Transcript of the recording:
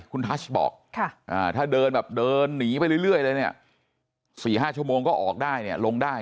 คุณทัชบอกถ้าเดินแบบเดินหนีไปเรื่อยเลยเนี่ย๔๕ชั่วโมงก็ออกได้เนี่ยลงได้